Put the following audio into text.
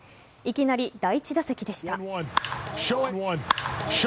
いきなり、第１打席でした。